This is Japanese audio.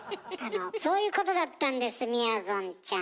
そういうことだったんですみやぞんちゃん。